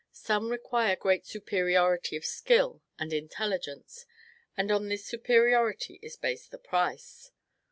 Some require great superiority of skill and intelligence; and on this superiority is based the price.